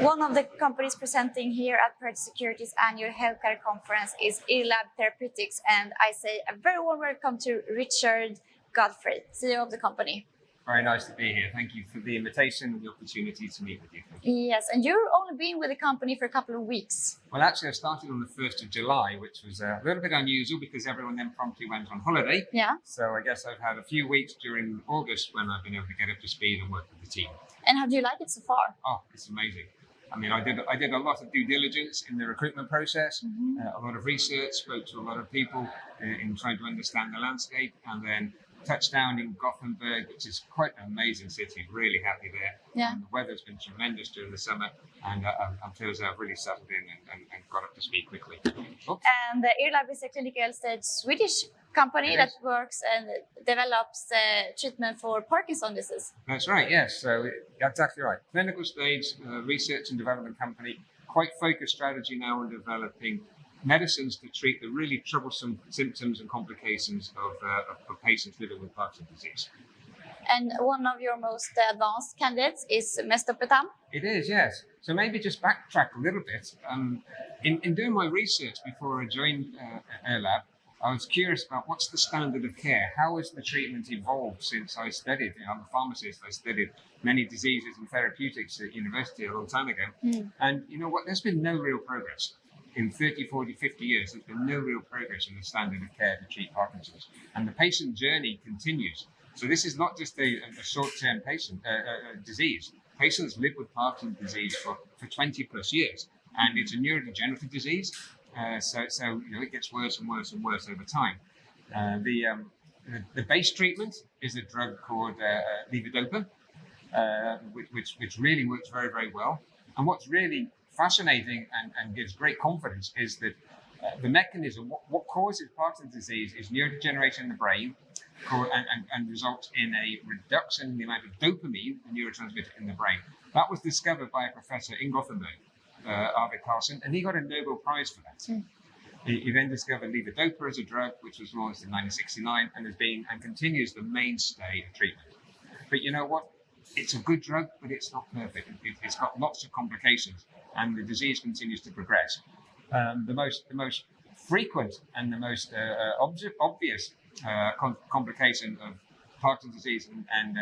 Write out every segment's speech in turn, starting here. One of the companies presenting here at Pareto Securities annual healthcare conference is IRLAB Therapeutics, and I say a very warm welcome to Richard Godfrey, CEO of the company. Very nice to be here. Thank you for the invitation and the opportunity to meet with you. Thank you. Yes. You've only been with the company for a couple of weeks. Well, actually, I started on the first of July, which was a little bit unusual because everyone then promptly went on holiday. Yeah. I guess I've had a few weeks during August when I've been able to get up to speed and work with the team. How do you like it so far? Oh, it's amazing. I mean, I did a lot of due diligence in the recruitment process. Mm-hmm. A lot of research, spoke to a lot of people in trying to understand the landscape, and then touched down in Gothenburg, which is quite an amazing city. Really happy there. Yeah. The weather's been tremendous during the summer, and I feel I've really settled in and got up to speed quickly. Oops. The IRLAB is a clinical-stage Swedish company. It is. that works and develops a treatment for Parkinson's disease. That's right, yes. That's exactly right. Clinical stage, research and development company. Quite focused strategy now on developing medicines to treat the really troublesome symptoms and complications of patients living with Parkinson's disease. One of your most advanced candidates is mesdopetam. It is, yes. Maybe just backtrack a little bit. In doing my research before I joined IRLAB, I was curious about what's the standard of care, how has the treatment evolved since I studied. You know, I'm a pharmacist, I studied many diseases and therapeutics at university a long time ago. Mm-hmm. You know what? There's been no real progress. In 30, 40, 50 years, there's been no real progress in the standard of care to treat Parkinson's, and the patient journey continues. This is not just a short-term patient disease. Patients live with Parkinson's disease for 20+ years, and it's a neurodegenerative disease. You know, it gets worse and worse and worse over time. The base treatment is a drug called levodopa, which really works very, very well. What's really fascinating and gives great confidence is that the mechanism, what causes Parkinson's disease is neurodegeneration in the brain and results in a reduction in the amount of dopamine, a neurotransmitter in the brain. That was discovered by a professor in Gothenburg, Arvid Carlsson, and he got a Nobel Prize for that. Mm-hmm. He then discovered levodopa as a drug, which was launched in 1969 and has been and continues the mainstay of treatment. You know what? It's a good drug, but it's not perfect. It's got lots of complications, and the disease continues to progress. The most frequent and the most obvious complication of Parkinson's disease and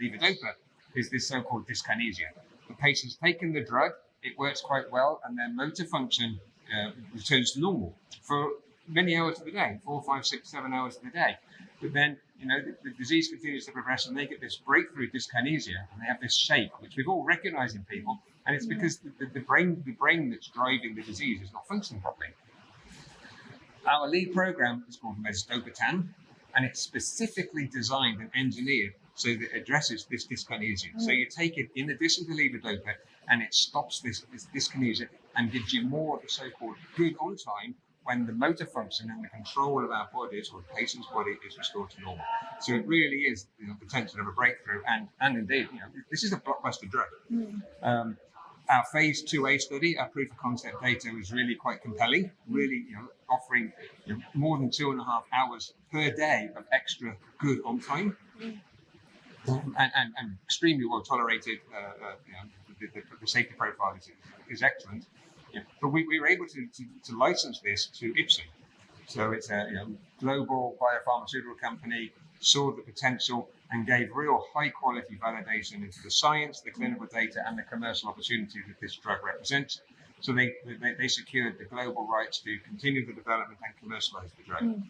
levodopa is this so-called dyskinesia. The patient's taken the drug, it works quite well, and their motor function returns to normal for many hours of the day, 4, 5, 6, 7 hours of the day, but then, you know, the disease continues to progress, and they get this breakthrough dyskinesia, and they have this shake which we all recognize in people. Yeah. It's because the brain that's driving the disease is not functioning properly. Our lead program is called mesdopetam, and it's specifically designed and engineered so that addresses this dyskinesia. Mm-hmm. You take it in addition to levodopa, and it stops this dyskinesia and gives you more of the so-called Good ON time when the motor function and the control of our bodies or the patient's body is restored to normal. It really is, you know, the potential of a breakthrough and indeed, you know, this is a blockbuster drug. Mm-hmm. Our phase 2a study, our proof of concept data was really quite compelling, really, you know, offering more than 2.5 hours per day of extra Good ON time. Mm-hmm. Extremely well-tolerated. You know, the safety profile is excellent. You know, but we were able to license this to Ipsen. It's a, you know, global biopharmaceutical company, saw the potential and gave real high-quality validation into the science, the clinical data, and the commercial opportunity that this drug represents. They secured the global rights to continue the development and commercialize the drug.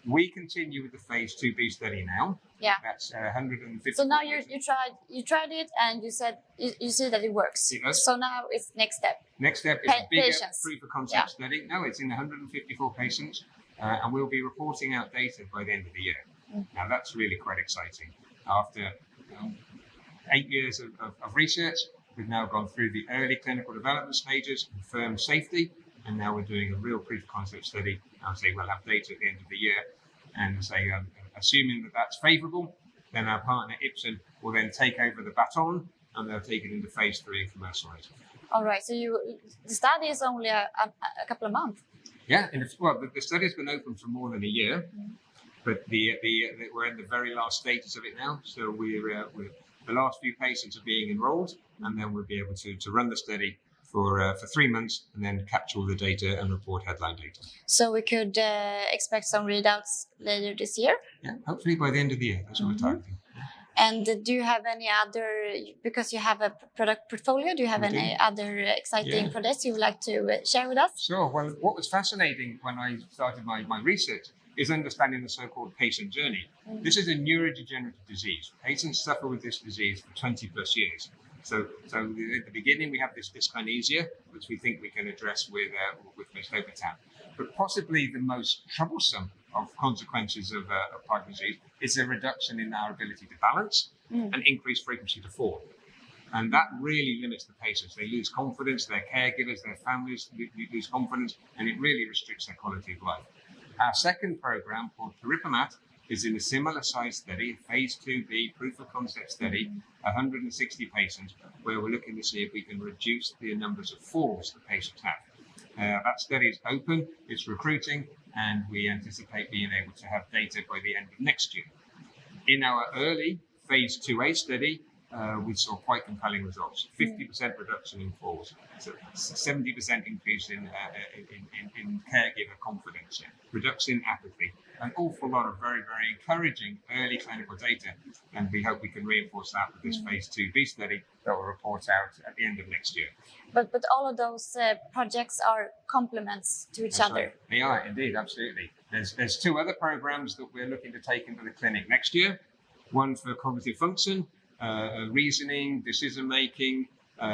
Mm-hmm. We continue with the Phase 2b study now. Yeah. That's 150 patients. Now you tried it, and you said that it works. It works. Now it's next step. Next step is a bigger. Get patients Proof of concept study. Yeah. Now it's in 154 patients, and we'll be reporting out data by the end of the year. Mm-hmm. Now, that's really quite exciting. After eight years of research, we've now gone through the early clinical development stages, confirmed safety, and now we're doing a real proof of concept study, and as I say, we'll have data at the end of the year. As I assuming that that's favorable, then our partner, Ipsen, will then take over the baton, and they'll take it into Phase III and commercialize it. All right. The study is only a couple of months. Well, the study's been open for more than a year. Mm-hmm. We're in the very last stages of it now. The last few patients are being enrolled, and then we'll be able to run the study for 3 months and then capture all the data and report headline data. We could expect some readouts later this year? Yeah. Hopefully by the end of the year. Mm-hmm. That's what we're targeting. Do you have any other? Because you have a product portfolio. We do. Do you have any other exciting? Yeah Products you would like to share with us? Sure. Well, what was fascinating when I started my research is understanding the so-called patient journey. Mm-hmm. This is a neurodegenerative disease. Patients suffer with this disease for 20+ years. At the beginning, we have this dyskinesia, which we think we can address with mesdopetam. Possibly the most troublesome of consequences of Parkinson's disease is the reduction in our ability to balance. Mm-hmm Increased frequency of falls, and that really limits the patients. They lose confidence, their caregivers, their families lose confidence, and it really restricts their quality of life. Our second program called pirepemat is in a similar size study, phase 2b proof of concept study, 160 patients where we're looking to see if we can reduce the numbers of falls that patients have. That study is open, it's recruiting, and we anticipate being able to have data by the end of next year. In our early phase 2a study, we saw quite compelling results. 50% reduction in falls. 70% increase in caregiver confidence, reduction in apathy. An awful lot of very, very encouraging early clinical data, and we hope we can reinforce that with this phase 2b study that will report out at the end of next year. All of those projects are complements to each other. That's right. They are indeed, absolutely. There's two other programs that we're looking to take into the clinic next year. One for cognitive function, reasoning, decision-making, et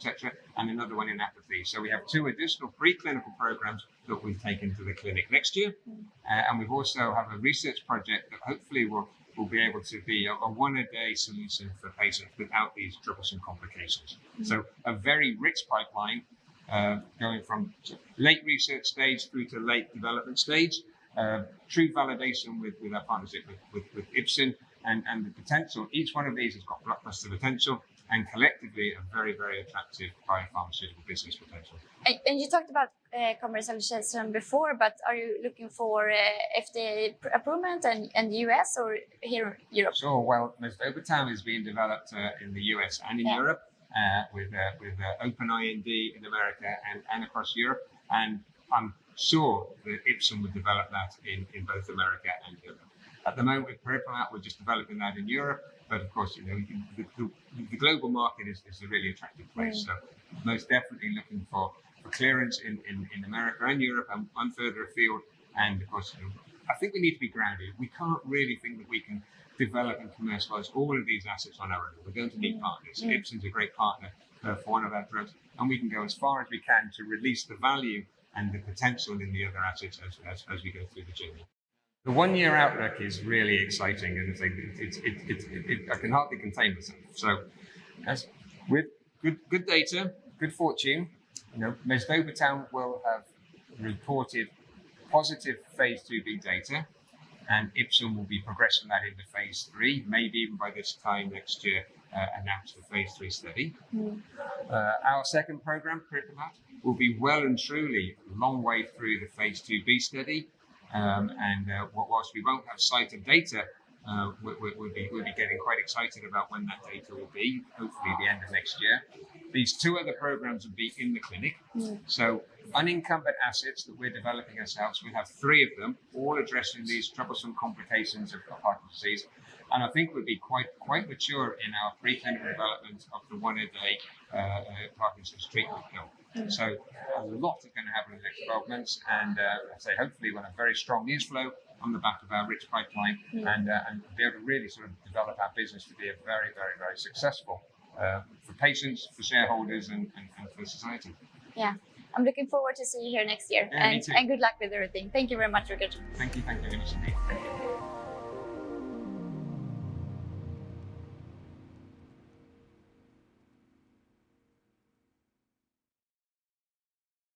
cetera, and another one in apathy. We have two additional preclinical programs that we've taken to the clinic next year. We've also have a research project that hopefully will be able to be a one-a-day solution for patients without these troublesome complications. Mm. A very rich pipeline, going from early research stage through to late development stage. True validation with our partnership with Ipsen and the potential. Each one of these has got blockbuster potential and collectively a very attractive biopharmaceutical business potential. You talked about commercialization before, but are you looking for FDA approval in the US or here in Europe? Sure. Well, pirepemat is being developed in the U.S. and in Europe. Yeah with open IND in America and across Europe, and I'm sure that Ipsen would develop that in both America and Europe. At the moment with pirepemat we're just developing that in Europe, but of course, you know, the global market is a really attractive place. Mm. Most definitely looking for a clearance in America and Europe and further afield and of course, you know, I think we need to be grounded. We can't really think that we can develop and commercialize all of these assets on our own. We're going to need partners. Mm-hmm. Ipsen's a great partner for one of our drugs, and we can go as far as we can to release the value and the potential in the other assets as we go through the journey. The one-year outlook is really exciting and it's like I can hardly contain myself. As with good data, good fortune, you know, mesdopetam will have reported positive phase 2b data, and Ipsen will be progressing that into phase 3, maybe even by this time next year, announce the phase 3 study. Mm. Our second program, pirepemat, will be well and truly a long way through the phase 2b study. While we won't have sight of data, we'll be getting quite excited about when that data will be, hopefully the end of next year. These two other programs will be in the clinic. Mm. Unencumbered assets that we're developing ourselves, we have three of them all addressing these troublesome complications of Parkinson's disease, and I think we'll be quite mature in our preclinical development of the one-a-day Parkinson's treatment pill. Mm-hmm. A lot is gonna happen in developments and, say, hopefully we'll have very strong news flow on the back of our rich pipeline. Mm... be able to really sort of develop our business to be a very successful for patients, for shareholders and for society. Yeah. I'm looking forward to see you here next year. Yeah, me too. Good luck with everything. Thank you very much, Richard. Thank you. Thank you very much indeed.